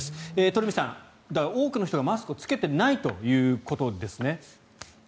鳥海さん、多くの人がマスクを着けていないということですね。